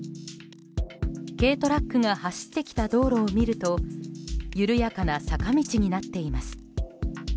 軽トラックが走ってきた道路を見ると緩やかな坂道になっています。